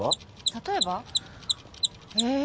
例えば？ええ？